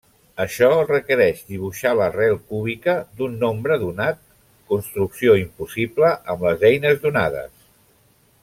Això requereix dibuixar l'arrel cúbica d'un nombre donat, construcció impossible amb les eines donades.